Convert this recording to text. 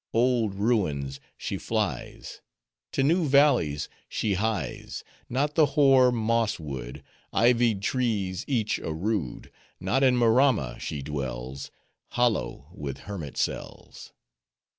Old ruins she flies: To new valleys she hies:— Not the hoar, moss wood, Ivied trees each a rood— Not in Maramma she dwells, Hollow with hermit cells.